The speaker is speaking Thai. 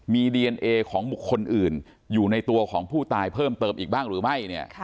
มีดีเอนเอของบุคคลอื่นอยู่ในตัวของผู้ตายเพิ่มเติมอีกบ้างหรือไม่เนี่ย